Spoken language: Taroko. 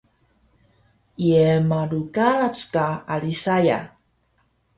Ye malu karac ka ali saya?